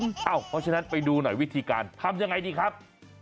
เพราะฉะนั้นไปดูหน่อยวิธีการทำยังไงดีครับ